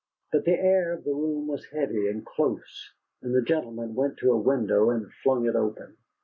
But the air of the room was heavy and close, and the gentleman went to a window and flung it open.